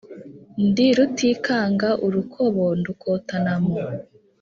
Ndi Rutikanga urukubo ndukotanamo.